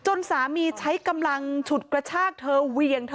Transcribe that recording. สามีใช้กำลังฉุดกระชากเธอเวียงเธอ